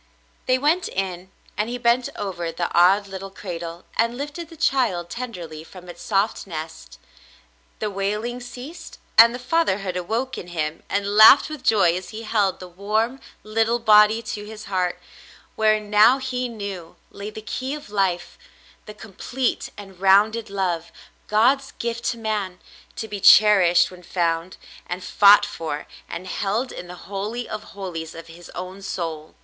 They w^ent in, and he bent over the odd little cradle and lifted the child tenderly from its soft nest. The wailing ceased, and the fatherhood awoke in him and laughed with joy as he held the warm little body to his heart, wherein now, he knew, lay the key of life — the complete and rounded love, God's gift to man, to be cherished when found, and fought for and held in the holy of holies of his own soul.